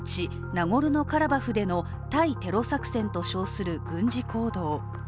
ナゴルノ・カラバフでの対テロ作戦と称する軍事行動。